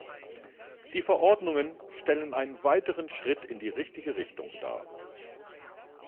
Die Verordnungen stellen einen weiteren Schritt in die richtige Richtung dar.